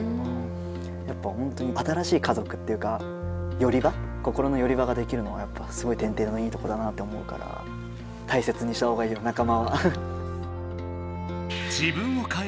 やっぱほんとに新しい家族っていうかより場心のより場ができるのはやっぱすごい「天てれ」のいいとこだなって思うからたいせつにしたほうがいいよ仲間は。